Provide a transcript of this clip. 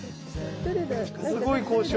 すごい交渉。